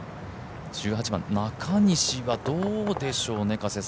１８番、中西はどうでしょうね